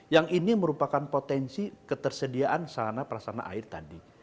yang ini merupakan potensi ketersediaan salana prasana air tadi